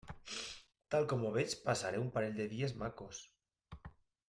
Tal com ho veig passaré un parell de dies macos.